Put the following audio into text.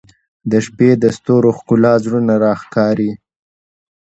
• د شپې د ستورو ښکلا زړونه راښکاري.